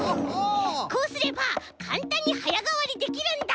こうすればかんたんにはやがわりできるんだ。